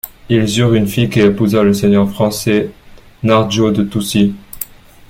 Ils eurent une fille qui épousa le seigneur français Narjaud de Toucy.